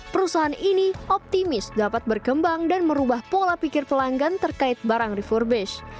perusahaan ini optimis dapat berkembang dan merubah pola pikir pelanggan terkait barang refurbish